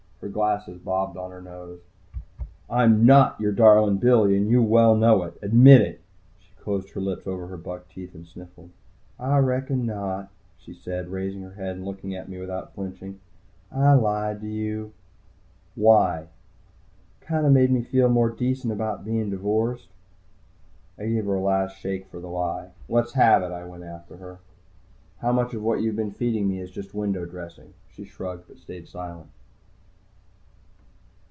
Her glasses bobbled on her nose. "I'm not your darlin' Billy, and you well know it. Admit it!" She closed her lips over her buck teeth and sniffled. "I reckon not," she said, raising her head and looking at me without flinching. "I lied to you." "Why?" "Kind of made me feel more decent about bein' divorced." I gave her a last shake for the lie. "Let's have it," I went after her. "How much of what you've been feeding me is just window dressing?" She shrugged, but stayed silent.